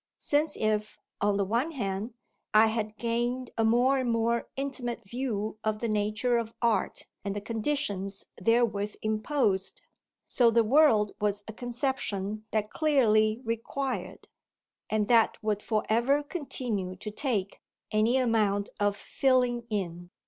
since if, on the one hand, I had gained a more and more intimate view of the nature of art and the conditions therewith imposed, so the world was a conception that clearly required, and that would for ever continue to take, any amount of filling in.